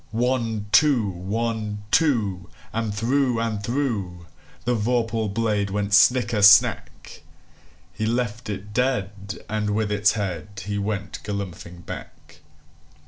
One, two! One, two! And through and throughThe vorpal blade went snicker snack! He left it dead, and with its headHe went galumphing back.